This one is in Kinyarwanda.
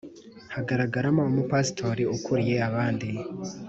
hagaragaramo Umupasitori ukuriye abandi umwe